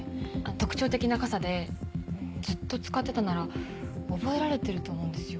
特徴的な傘でずっと使ってたなら覚えられてると思うんですよ。